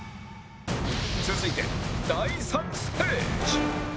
続いて第３ステージ